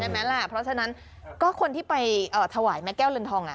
ฉะนั้นคนที่ไปทวายแม่แก้วเรนทอง